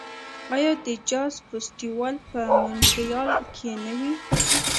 آیا د جاز فستیوال په مونټریال کې نه وي؟